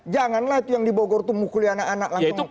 janganlah itu yang dibogor tumuh mukul anak anak langsung